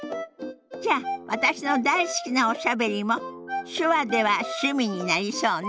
じゃあ私の大好きな「おしゃべり」も手話では趣味になりそうね。